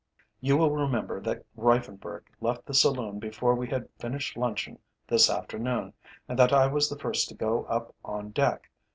"You will remember that Reiffenburg left the saloon before we had finished luncheon this afternoon, and that I was the first to go up on deck.